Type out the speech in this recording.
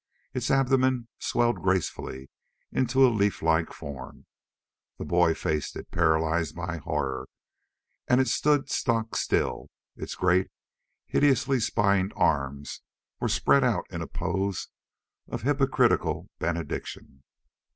Its abdomen swelled gracefully into a leaflike form. The boy faced it, paralyzed by horror, and it stood stock still. Its great, hideously spined arms were spread out in a pose of hypocritical benediction.